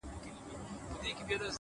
وخت د بې پروایۍ قیمت اخلي